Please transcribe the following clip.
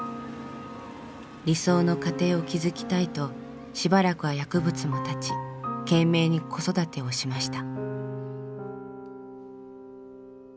理想の家庭を築きたいとしばらくは薬物も断ち懸命に子育てをしました。